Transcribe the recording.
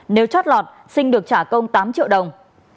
nếu chót lọt sinh được trả công tám triệu đồng